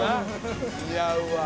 似合うわ。